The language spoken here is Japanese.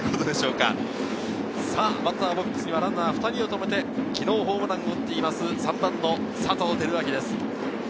バッターボックスにはランナー２人を置いて昨日ホームランを打っている３番・佐藤輝明です。